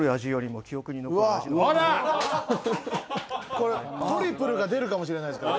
これトリプルが出るかもしれないですけど。